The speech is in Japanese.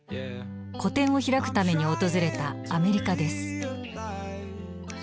個展を開くために訪れたアメリカです。